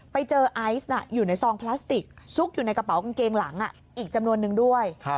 ไปเจอไอซ์อยู่ในซองพลาสติกซุกอยู่ในกระเป๋ากางเกงหลังอีกจำนวนนึงด้วย